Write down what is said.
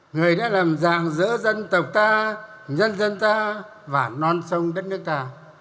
người đã làm dạng giữa dân tộc ta nhân dân ta và non sông đất nước ta